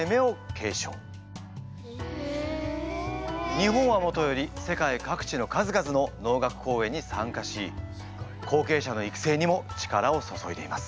日本はもとより世界各地の数々の能楽公演に参加し後継者の育成にも力を注いでいます。